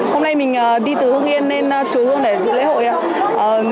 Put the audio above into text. hôm nay mình đi từ hương yên lên chùa hương để dự lễ hội ạ